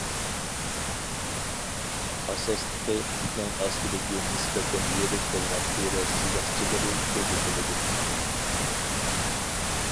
ئاساسلىقى پۇتنىڭ ئاستىدىكى نىسبەتەن يىرىك بولغان تېرە سىزىقچىلىرى كۆزىتىلىدۇ.